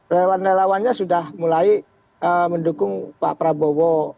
relawan relawannya sudah mulai mendukung pak prabowo